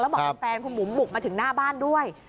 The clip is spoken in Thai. แล้วบอกที่คุณแฟนบุ๋มบุกมาถึงหน้าบ้านด้วย